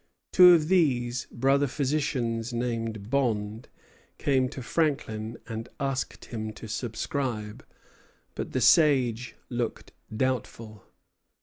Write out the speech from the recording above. Two of these, brother physicians named Bond, came to Franklin and asked him to subscribe; but the sage looked doubtful.